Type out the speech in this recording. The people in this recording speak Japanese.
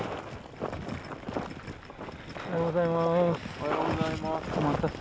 ・おはようございます。